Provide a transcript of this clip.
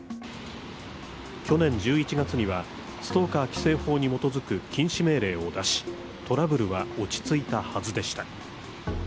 去年１１月にはストーカー規制法に基づく禁止命令を出し、トラブルは落ち着いたはずでした。